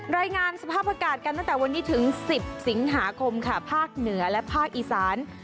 รายงานสภาพอากาศกันตั้งแต่วันนี้ถึง๑๐สิงหาคมค่ะภาคเหนือและภาคอีสาน